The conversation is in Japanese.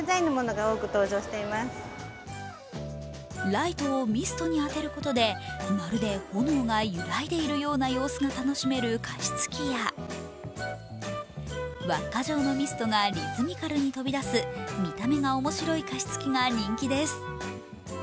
ライトをミストに当てることでまるで炎が揺らいでいるような様子が楽しめる加湿器や、輪っか状のミストがリズミカルに飛び出す見た目が面白い加湿器が人気です。